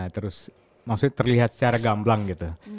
terus maksudnya terlihat secara gamblang gitu